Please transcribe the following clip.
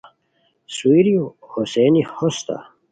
سوئیرو ہوسیئنی ہوستہ